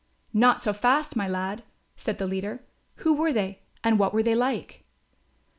"Not so fast, my lad," said the leader, "who were they, and what were they like?"